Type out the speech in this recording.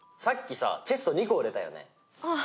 さっきさチェスト２個売れたよね。